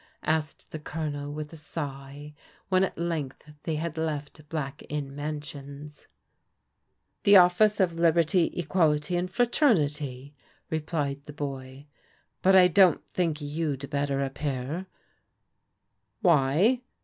asked the G)lonel with a sigh, when at length they had left Black Inn Mansions. " The office of Liberty, Equality and Fraternity/* re plied the boy. " But I don't think you'd better appear/' "Why?"